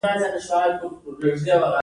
نارینه او ښځینه د ټولنې دوه مهم وزرونه دي.